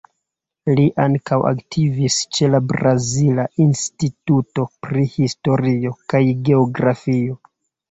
Li ankaŭ aktivis ĉe la Brazila Instituto pri Historio kaj Geografio.